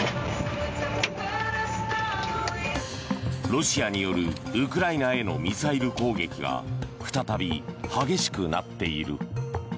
ロシアによるウクライナへのミサイル攻撃が再び激しくなっている。